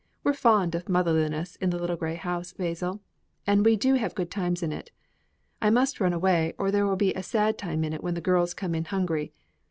We're fond of motherliness in the little grey house, Basil, and we do have good times in it. I must run away, or there will be a sad time in it when the girls come in hungry.